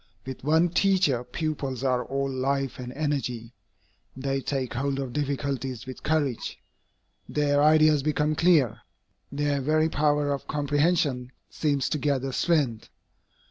With one teacher pupils are all life and energy, they take hold of difficulties with courage, their ideas become clear, their very power of comprehension seems to gather strength.